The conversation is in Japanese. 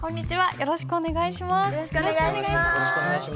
よろしくお願いします。